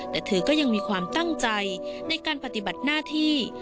แต่เธอก็ยังมีความตั้งใจในการปฏิบัติหน้าที่